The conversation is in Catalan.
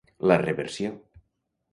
La Reversió.